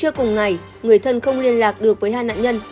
trưa cùng ngày người thân không liên lạc được với hai nạn nhân